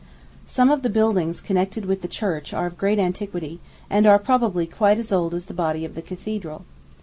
Some of the buildings connected with the church are of great antiquity, and are probably quite as old as the body of the cathedral.